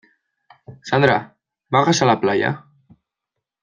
Sandra, ¿bajas a la playa?